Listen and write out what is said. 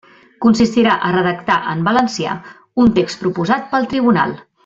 Consistirà a redactar en valencià un text proposat pel tribunal.